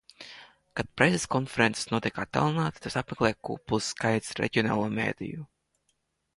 Kad preses konferences notiek attālināti, tās apmeklē kupls skaits reģionālo mediju.